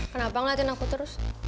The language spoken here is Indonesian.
kenapa ngeliatin aku terus